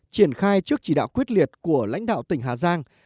triển khai trước chỉ đạo quyết liệt của lãnh đạo tỉnh hà giang